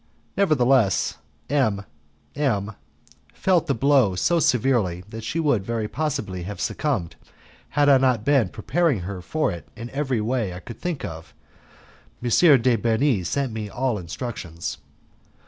Nevertheless, M M felt the blow so severely that she would very possibly have succumbed, had I not been preparing her for it in every way I could think of. M. de Bernis sent me all instructions.